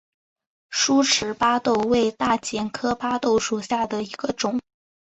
疏齿巴豆为大戟科巴豆属下的一个种。